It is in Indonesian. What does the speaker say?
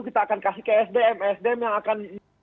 kita akan kasih ke sdm sdm yang akan